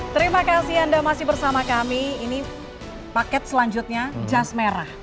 terima kasih anda masih bersama kami ini paket selanjutnya jas merah